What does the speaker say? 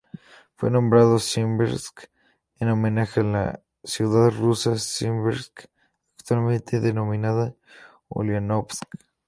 Fue nombrado Simbirsk en homenaje a la ciudad rusa Simbirsk, actualmente denominada Uliánovsk.